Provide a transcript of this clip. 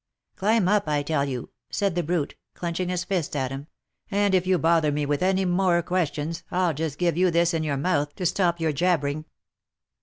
" Climb up! I tell you," said the brute, clenching his 6st at him, " and if you bother me with any more questions, I'll just give you this in your mouth to stop your jabbering."